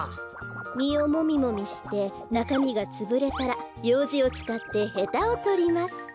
みをもみもみしてなかみがつぶれたらようじをつかってヘタをとります。